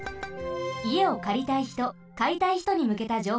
いえをかりたいひとかいたいひとにむけたじょうほうです。